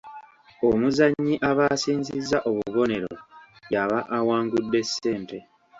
Omuzannyi aba asinzizza obubonero y'aba awangudde ssente.